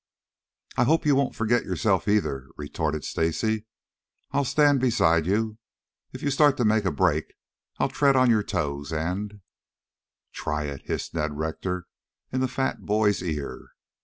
"I hope you won't forget yourself either," retorted Stacy. "I'll stand beside you. If you start to make a break I'll tread on your toes and " "Try it!" hissed Ned Rector in the fat boy's ear.